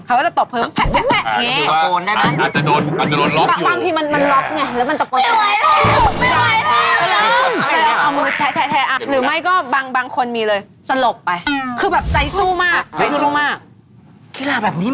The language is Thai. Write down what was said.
เค้าจะตบเข็มแผะแหง่งั้นไงนี่คือว่าคือปกโกนได้ไหม